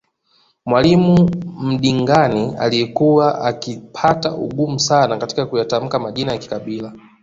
Mwalimu Mdingane aliyekuwa akipata ugumu sana katika kuyatamka Majina ya kikabila